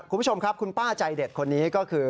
คุณผู้ชมครับคุณป้าใจเด็ดคนนี้ก็คือ